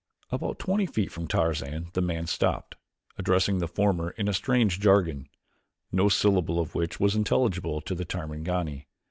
About twenty feet from Tarzan the man stopped, addressing the former in a strange jargon, no syllable of which was intelligible to the Tarmangani.